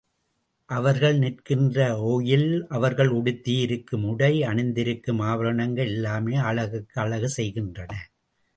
அவர்கள் நிற்கின்ற ஒயில், அவர்கள் உடுத்தியிருக்கும் உடை, அணிந்திருக்கும் ஆபரணங்கள் எல்லாமே அழகுக்கு அழகு செய்கின்றன.